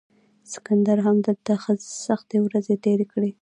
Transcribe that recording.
سکندر هم دلته سختې ورځې تیرې کړې